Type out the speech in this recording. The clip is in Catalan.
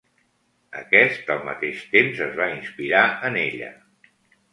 Aquest, al mateix temps, es va inspirar en ella.